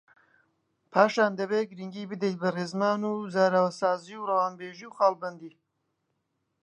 پاشان دەبێت گرنگی بدەیت بە ڕێزمان و زاراوەسازی و ڕەوانبێژی و خاڵبەندی